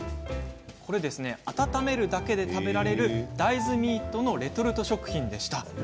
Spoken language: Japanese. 温めるだけで食べられる大豆ミートのレトルト食品を発見しました。